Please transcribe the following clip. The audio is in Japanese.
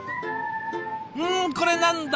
うんこれ何だ？